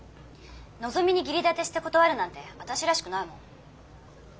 のぞみに義理立てして断るなんて私らしくないもん。